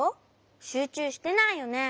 しゅうちゅうしてないよね？